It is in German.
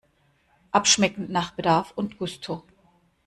Abschmecken nach Bedarf und Gusto!